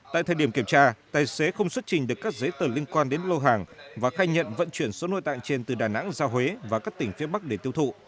tại thời điểm kiểm tra tài xế không xuất trình được các giấy tờ liên quan đến lô hàng và khai nhận vận chuyển số nội tạng trên từ đà nẵng ra huế và các tỉnh phía bắc để tiêu thụ